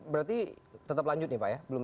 dua ribu dua puluh berarti tetap lanjut ya pak ya